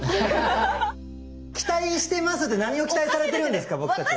期待してますって何を期待されてるんですか僕たちは。